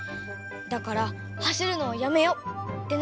だからはしるのをやめよう」ってなるね。